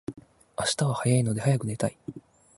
明日は早いので早く寝たい